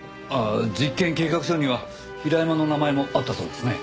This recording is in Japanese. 実験計画書には平山の名前もあったそうですね。